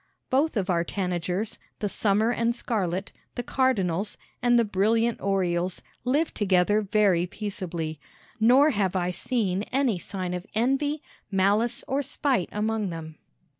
Both of our tanagers, the summer and scarlet, the cardinals, and the brilliant orioles, live together very peaceably, nor have I seen any sign of envy, malice, or spite among them.